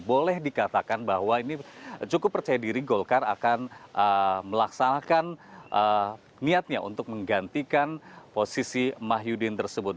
boleh dikatakan bahwa ini cukup percaya diri golkar akan melaksanakan niatnya untuk menggantikan posisi mah yudin tersebut